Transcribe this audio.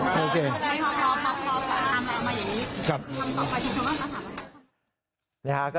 เพราะว่า๒พรรค